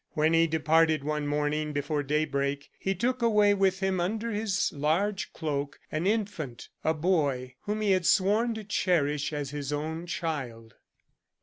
When he departed one morning, before daybreak, he took away with him under his large cloak an infant a boy whom he had sworn to cherish as his own child.